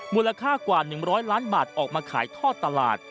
มูลค่ากว่า๑๐๐ล้านบาทออกมาขายทอดตลาด